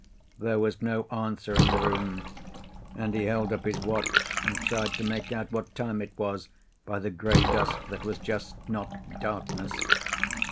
There was no answer in the room, and he held up his watch and tried to make out what time it was by the grey dusk that was just not darkness.